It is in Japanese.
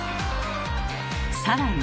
さらに。